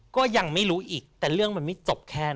ก็ยังไม่รู้อีกแต่เรื่องมันไม่จบแค่นั้น